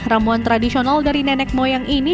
ramuan tradisional dari nenek moyang ini